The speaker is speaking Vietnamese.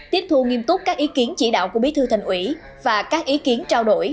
tiếp thu nghiêm túc các ý kiến chỉ đạo của bí thư thành ủy và các ý kiến trao đổi